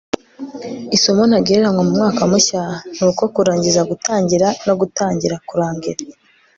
isomo ntagereranywa mu mwaka mushya ni uko kurangiza gutangira no gutangira kurangira